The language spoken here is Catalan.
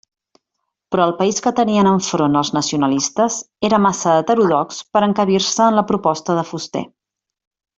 Però el país que tenien enfront els nacionalistes era massa heterodox per a encabir-se en la proposta de Fuster.